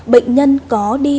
bệnh nhân có đi